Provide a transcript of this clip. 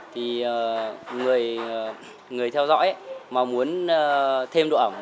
thì người người theo dõi ấy mà muốn thêm độ ẩm